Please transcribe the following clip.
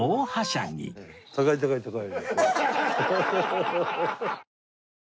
高い高い高い。